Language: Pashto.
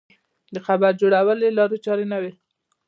د خبر جوړونې لارې چارې نه وې.